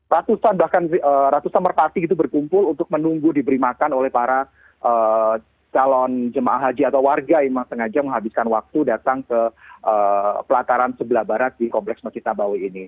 ratusan bahkan ratusan merpati itu berkumpul untuk menunggu diberi makan oleh para calon jemaah haji atau warga yang sengaja menghabiskan waktu datang ke pelataran sebelah barat di kompleks masjid nabawi ini